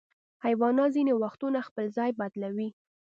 حیوانات ځینې وختونه خپل ځای بدلوي.